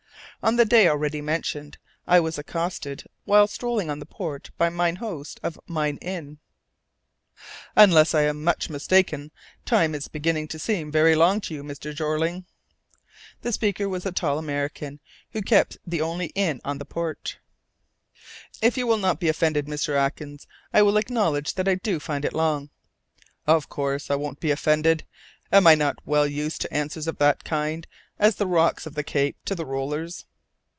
On the day already mentioned, I was accosted while strolling on the port by mine host of mine inn. "Unless I am much mistaken, time is beginning to seem very long to you, Mr. Jeorling?" The speaker was a big tall American who kept the only inn on the port. "If you will not be offended, Mr. Atkins, I will acknowledge that I do find it long." "Of course I won't be offended. Am I not as well used to answers of that kind as the rocks of the Cape to the rollers?"